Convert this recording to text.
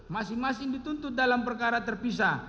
masing masing dituntut dalam perkara terpisah